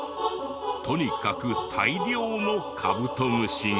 とにかく大量のカブトムシが。